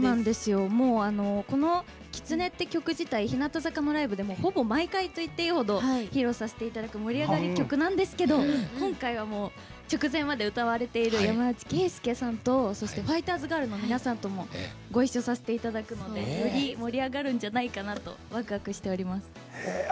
この「キツネ」っていう曲自体、日向坂のライブでもほぼ毎回といっていいほど披露させていただく盛り上がる曲なんですけど今回は、直前まで歌われている山内惠介さんとファイターズガールの皆さんともご一緒させていただくのでより、盛り上がるんじゃないかとワクワクしています。